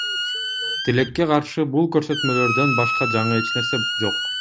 Тилекке каршы, бул көрсөтмөлөрдөн башка жаңы эч нерсе жок.